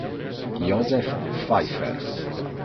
Josef Pfeiffer